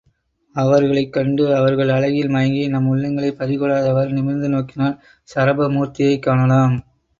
அவர்களைக் கண்டு அவர்கள் அழகில் மயங்கி நம் உள்ளங்களைப் பறிகொடாதவாறு நிமிர்ந்து நோக்கினால், சரப மூர்த்தியைக் காணலாம்.